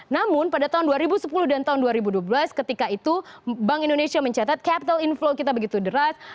namun pada tahun dua ribu sepuluh dan tahun dua ribu dua belas ketika itu bank indonesia mencatat capital inflow kita begitu deras